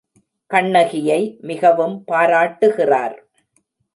கண்ணகியை மிகவும் பாராட்டுகிறார்.